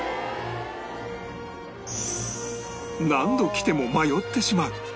何度来ても迷ってしまう